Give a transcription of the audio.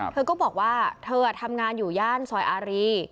เธอก็บอกว่าเธอทำงานอยู่ย่านซอยอารี